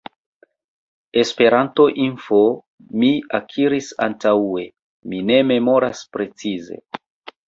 Esperanto.info mi akiris antaŭe, mi ne memoras precize.